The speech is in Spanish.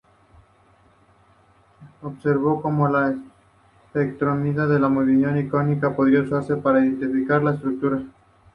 Observó cómo la espectrometría de movilidad iónica podía usarse para identificar la estructura.